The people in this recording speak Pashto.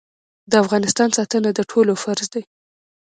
د افغانستان ساتنه د ټولو فرض دی